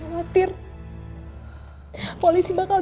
aku khawatir banget sama kamu